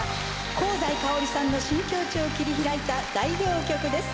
香西かおりさんの新境地を切り開いた代表曲です。